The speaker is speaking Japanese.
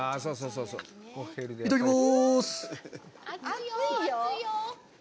いただきます。